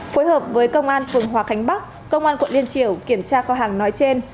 phối hợp với công an phường hòa khánh bắc công an quận liên triều kiểm tra kho hàng nói trên